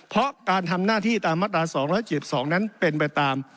เพราะการทำหน้าที่ตามมาตรา๒๗๒นั้นเป็นไปตาม